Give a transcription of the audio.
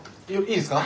いいですか？